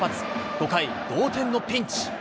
５回、同点のピンチ。